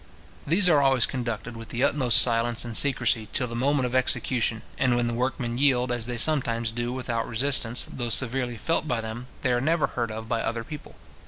These are always conducted with the utmost silence and secrecy till the moment of execution; and when the workmen yield, as they sometimes do without resistance, though severely felt by them, they are never heard of by other people.